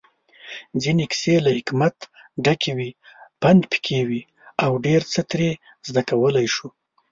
ځينې کيسې له حکمت ډکې وي، پندپکې وي اوډيرڅه ترې زده کولی شو